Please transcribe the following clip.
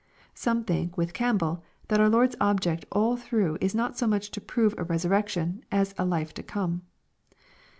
Some think, with Campbell, that our Lord's object all through is not so much to prove a resurrection as a life to come.